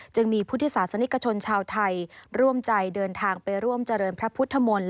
จึงมีพุทธศาสนิกชนชาวไทยร่วมใจเดินทางไปร่วมเจริญพระพุทธมนตร์